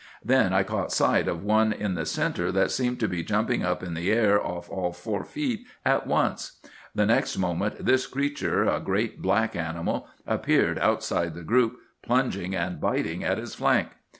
Then I caught sight of one in the centre that seemed to be jumping up in the air off all four feet at once. The next moment this creature, a great black animal, appeared outside the group, plunging and biting at his flank.